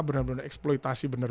benar benar eksploitasi beratnya